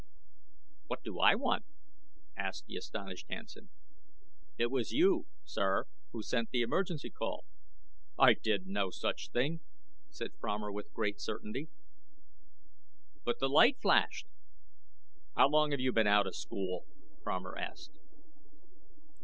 "What do I want?" asked the astonished Hansen. "It was you, sir, who sent the emergency call." "I did no such thing," said Fromer with great certainty. "But the light flashed " "How long have you been out of school?" Fromer asked.